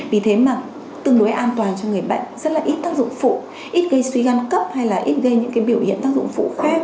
vì thế mà tương đối an toàn cho người bệnh rất là ít tác dụng phụ ít gây suy gan cấp hay là ít gây những cái biểu hiện tác dụng phụ khác